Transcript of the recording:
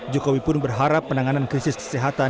jokowi pun berharap penanganan krisis kesehatan